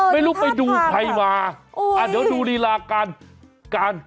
ไม่รู้ไปดูใครมาเดี๋ยวดูลีลาการการ